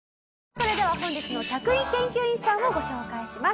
それでは本日の客員研究員さんをご紹介します。